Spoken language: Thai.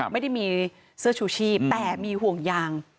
ไม่ได้มีเสื้อชูชีพแต่มีห่วงยาง